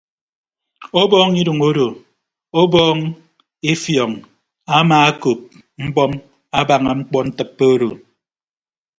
Ọbọọñ idʌñ odo ọbọọñ efiọñ amaakop mbọm abaña mkpọntịppe odo.